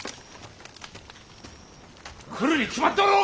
来るに決まっておろうが！